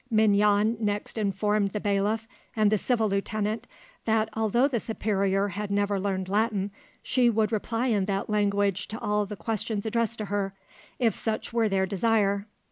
Mignon next informed the bailiff and the civil lieutenant, that although the superior had never learned Latin she would reply in that language to all the questions addressed to her, if such were their desire.